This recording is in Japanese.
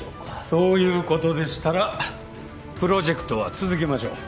そういうことでしたらプロジェクトは続けましょう。